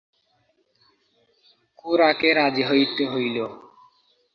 খুড়াকে রাজি হইতে হইল।